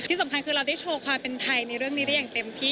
ที่สำคัญคือเราได้โชว์ความเป็นไทยในเรื่องนี้ได้อย่างเต็มที่